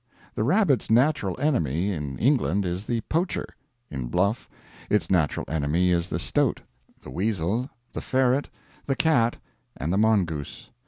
The rabbit's natural enemy in England is the poacher, in Bluff its natural enemy is the stoat, the weasel, the ferret, the cat, and the mongoose.